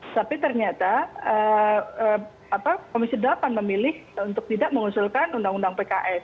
tapi ternyata komisi delapan memilih untuk tidak mengusulkan undang undang pks